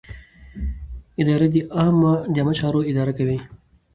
اداره د عامه چارو اداره کوي.